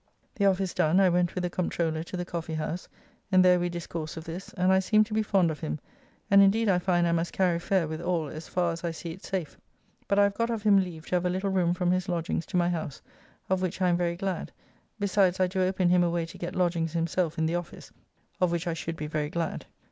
The office done, I went with the Comptroller to the Coffee house, and there we discoursed of this, and I seem to be fond of him, and indeed I find I must carry fair with all as far as I see it safe, but I have got of him leave to have a little room from his lodgings to my house, of which I am very glad, besides I do open him a way to get lodgings himself in the office, of which I should be very glad.